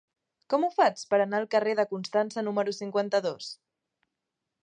Com ho faig per anar al carrer de Constança número cinquanta-dos?